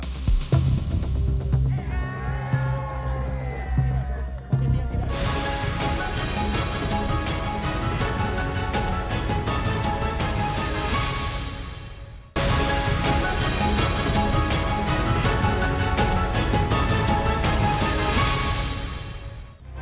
tidak hanya di setiap hari